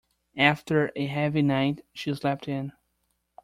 After a heavy night, she slept in.